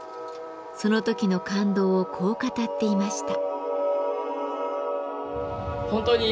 その時の感動をこう語っていました。